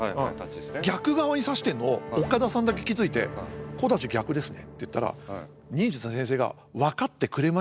逆側に差してんのを岡田さんだけ気付いて「小太刀逆ですね」って言ったら忍術の先生が「分かってくれましたか」